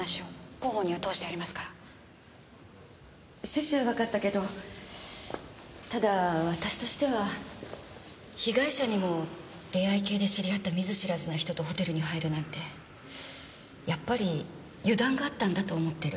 趣旨はわかったけどただ私としては被害者にも出会い系で知り会った見ず知らずの人とホテルに入るなんてやっぱり油断があったんだと思ってる。